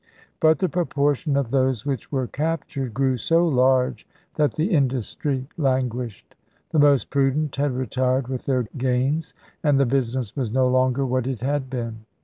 But the proportion of those which were captured grew so large that the in dustry languished. The most prudent had retired with their gains, and the business was no longer what it had been.